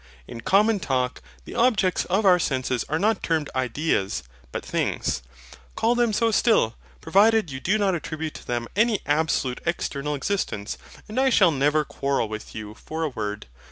In common talk, the objects of our senses are not termed IDEAS, but THINGS. Call them so still: provided you do not attribute to them any absolute external existence, and I shall never quarrel with you for a word.